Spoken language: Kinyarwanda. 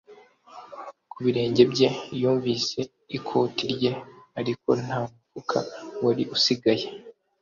ku birenge bye. yumvise ikoti rye, ariko nta mufuka wari usigaye